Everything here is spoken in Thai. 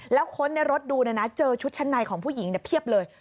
แล้วค้นในรถดูเจอชุดชั้นในของผู้หญิงเพียบเลย